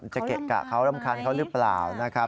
เกะกะเขารำคาญเขาหรือเปล่านะครับ